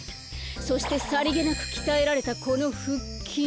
そしてさりげなくきたえられたこのふっきん。